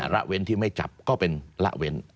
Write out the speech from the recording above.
ละเว้นที่ไม่จับก็เป็นละเว้น